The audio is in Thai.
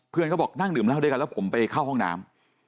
เพื่อนเขาบอกนั่งหนึ่มแล้วด้วยกันแล้วผมไปเข้าห้องน้ำ